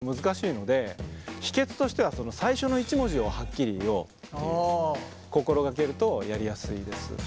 結構難しいので秘けつとしては最初の１文字をはっきり言おうって心がけるとやりやすいです。